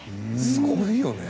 すごいよね。